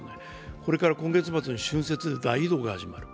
これから今月末に春節の大移動が始まる。